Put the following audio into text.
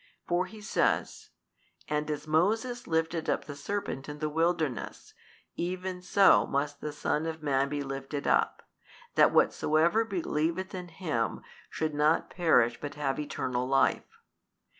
For He says, And as Moses lifted up the serpent in the wilderness, even so must the Son of man be lifted up, that whosoever believeth in Him should not perish but have eternal life.